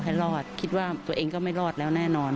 ให้รอดคิดว่าตัวเองก็ไม่รอดแล้วแน่นอน